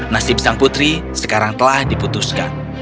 nasib sang putri sekarang telah diputuskan